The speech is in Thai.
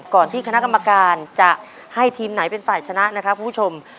ที่คณะกรรมการจะให้ทีมไหนเป็นฝ่ายชนะนะครับคุณผู้ชม